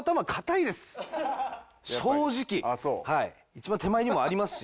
一番手前にもありますし。